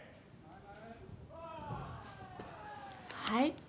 はい